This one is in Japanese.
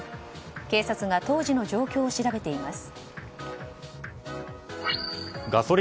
警察が当時の状況を調べています。